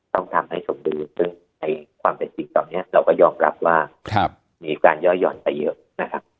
ต้องทำให้สมบูรณ์ซึ่งความเป็นจริงตอนนี้เราก็ยอมรับว่ามีการย่อหย่อนไปเยอะนะครับ